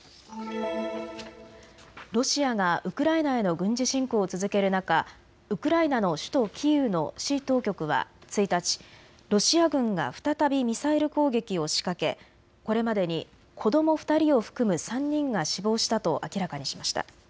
ロシアがウクライナへの軍事侵攻を続ける中、ウクライナの首都キーウの市当局は１日、ロシア軍が再びミサイル攻撃を仕掛けこれまでに子ども２人を含む３人が死亡したと明らかにしました。